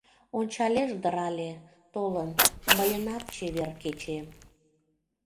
Ончалеш дыр але, толын, Мыйынат чевер кечем!